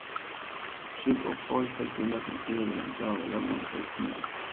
Ship of Fools fue el primer sencillo adelanto del álbum The Innocents.